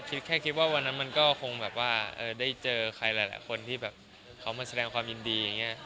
แค่คิดว่าวันนั้นมันก็คงแบบว่าได้เจอใครหลายคนที่แบบเขามาแสดงความยินดีอย่างนี้